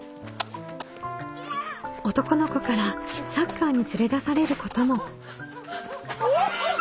男の子からサッカーに連れ出されることも。